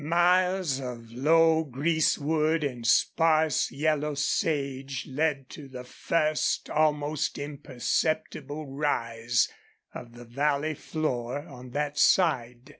Miles of low greasewood and sparse yellow sage led to the first almost imperceptible rise of the valley floor on that side.